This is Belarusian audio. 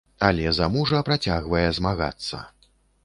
Але за мужа працягвае змагацца.